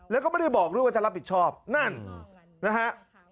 แล้วก็ไม่ได้บอกด้วยว่าจะรับผิดชอบนั่นนะฮะ